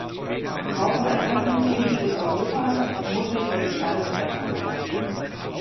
Wir brauchen ein handlungsfähiges Europa, das auch notwendige Entscheidungen treffen kann.